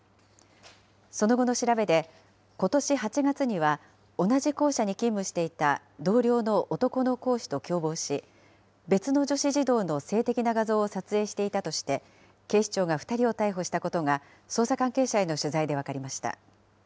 その後の調べで、ことし８月には、同じ校舎に勤務していた同僚の男の講師と共謀し、別の女子児童の性的な画像を撮影していたとして、警視庁が２人を逮捕したことが、捜査関係者への取材で分かりました。